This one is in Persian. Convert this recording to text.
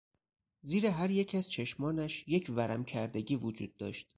زیر هریک از چشمانش یک ورم کردگی وجود داشت.